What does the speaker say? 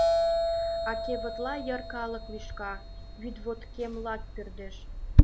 А кевытла йыр калык лӱшка, вӱдвоткемла пӧрдеш.